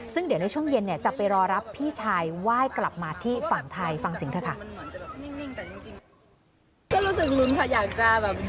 ซึ่งเดี๋ยวในช่วงเย็นจะไปรอรับพี่ชายว่ายกลับมาที่ฝั่งไทยฟังสิงห์